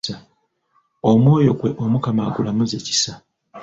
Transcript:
Omwoyo gwe Omukama agulamuze kisa!